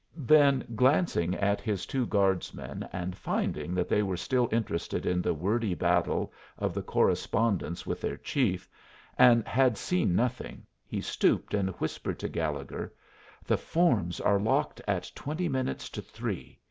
Then glancing at his two guardsmen, and finding that they were still interested in the wordy battle of the correspondents with their chief, and had seen nothing, he stooped and whispered to Gallegher: "The forms are locked at twenty minutes to three.